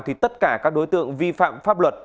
thì tất cả các đối tượng vi phạm pháp luật